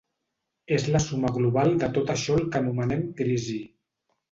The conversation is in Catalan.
És la suma global de tot això el que anomenem crisi.